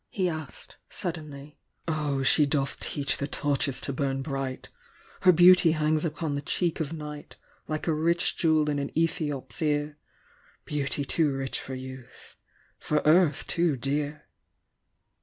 he asked, suddenly: "0, she doth teach the torches to bum bright ! Her beauty hangs upon the cheek of night, Like a rich Jewel in an Ethiop's ear^ Beauty too rich for use, for earth too djar!"